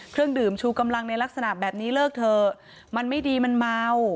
เครื่องดื่มชูกำลังในลักษณะแบบนี้เลิกเถอะมันไม่ดีมันเมา